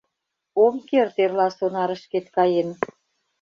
— Ом керт эрла сонарышкет каен.